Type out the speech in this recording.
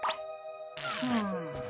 うん。